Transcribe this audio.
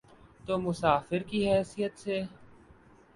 تو مسافر کی حیثیت سے۔